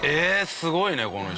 すごいねこの人。